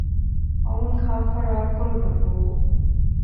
অমন খামকা রাগ কোরো না বৌ।